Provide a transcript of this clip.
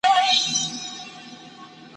شپه تیاره لاره اوږده ده ږغ مي نه رسیږي چاته `